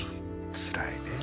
つらいねえ